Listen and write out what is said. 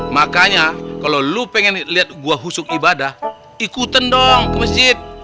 makanya kalo lu pengen liat gua husuk ibadah ikutan dong ke masjid